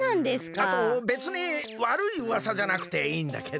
あとべつにわるいうわさじゃなくていいんだけど。